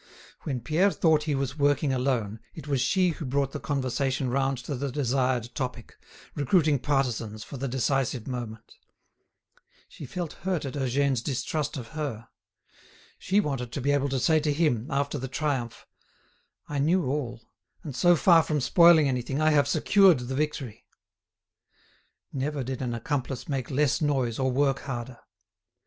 When Pierre thought he was working alone it was she who brought the conversation round to the desired topic, recruiting partisans for the decisive moment. She felt hurt at Eugène's distrust of her. She wanted to be able to say to him, after the triumph: "I knew all, and so far from spoiling anything, I have secured the victory." Never did an accomplice make less noise or work harder.